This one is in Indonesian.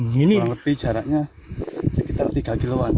kurang lebih jaraknya sekitar tiga km